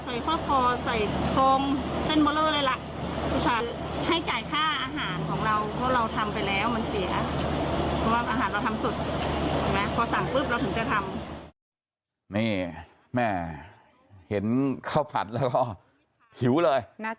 สั่งปุ๊บเราถึงจะทำนี่แม่เห็นเข้าผัดแล้วก็หิวเลยน่า